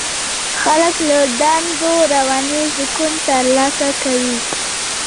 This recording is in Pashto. خلک له دندو رواني سکون ترلاسه کوي.